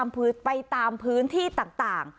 ไปตามพื้นที่ต่าง